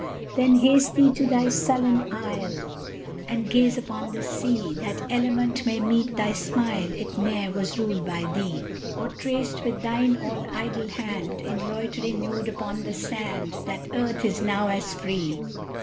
Then haste thee to thy sullen Isle, And gaze upon the sea; That element may meet thy smile It ne'er was ruled by thee! Or trace with thine all idle hand, In loitering mood upon the sand, That Earth is now as free!